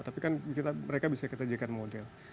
tapi kan mereka bisa kita jadikan model